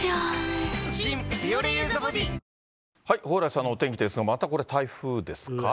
蓬莱さんのお天気ですが、またこれ、台風ですか。